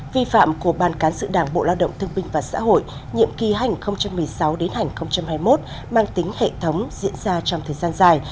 vi phạm của ban cán sự đảng bộ lao động thương minh và xã hội nhiệm kỳ hành hai nghìn một mươi sáu hai nghìn hai mươi một mang tính hệ thống diễn ra trong thời gian dài